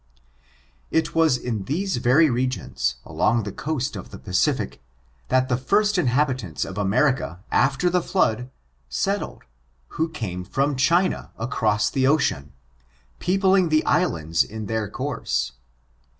It was in these very regions, along the coast of the Pacific, that the first inhabitants of America, after the flood, settled, who came from China, across the ocean, peopling the islands in their course.